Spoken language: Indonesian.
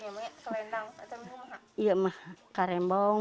ya saya bisa menenun dengan karembong